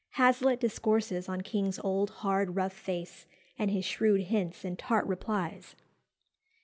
Hazlitt discourses on King's old, hard, rough face, and his shrewd hints and tart replies.